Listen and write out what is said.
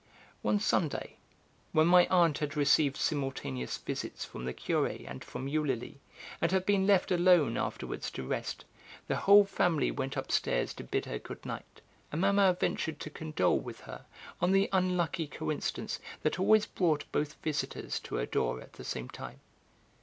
One Sunday, when my aunt had received simultaneous visits from the Curé and from Eulalie, and had been left alone, afterwards, to rest, the whole family went upstairs to bid her good night, and Mamma ventured to condole with her on the unlucky coincidence that always brought both visitors to her door at the same time.